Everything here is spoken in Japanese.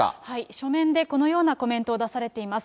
書面でこのようなコメントを出されています。